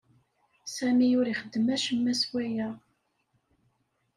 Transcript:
Sami ur ixeddem acemma s waya.